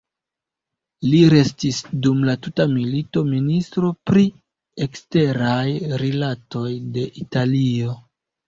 Li restis dum la tuta milito ministro pri eksteraj rilatoj de Italio.